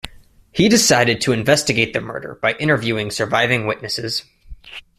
He decided to investigate the murder by interviewing surviving witnesses.